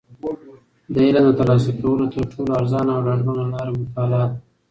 د علم د ترلاسه کولو تر ټولو ارزانه او ډاډمنه لاره مطالعه ده.